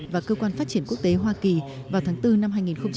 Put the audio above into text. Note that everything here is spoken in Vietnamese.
và cơ quan phát triển quốc tế hoa kỳ vào tháng bốn năm hai nghìn một mươi chín